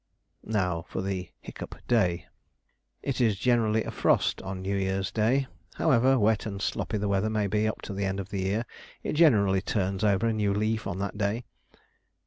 Now, for the hiccup day. It is generally a frost on New Year's Day. However wet and sloppy the weather may be up to the end of the year, it generally turns over a new leaf on that day.